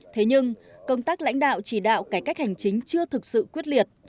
thế nhưng công tác lãnh đạo chỉ đạo cải cách hành chính chưa thực sự quyết liệt